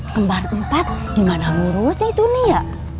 kembar empat gimana ngurusnya itu nia